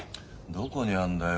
どこにあんだよ？